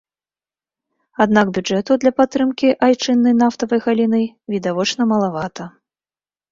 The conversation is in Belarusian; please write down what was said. Аднак бюджэту для падтрымкі айчыннай нафтавай галіны відавочна малавата.